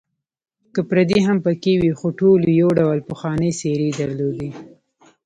که پردي هم پکې وې، خو ټولو یو ډول پخوانۍ څېرې درلودې.